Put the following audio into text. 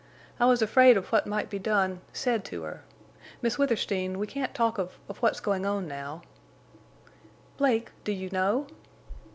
I was afraid of what might be done—said to her.... Miss Withersteen, we can't talk of—of what's going on now—" "Blake, do you know?"